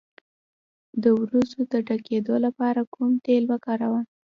د وروځو د ډکیدو لپاره کوم تېل وکاروم؟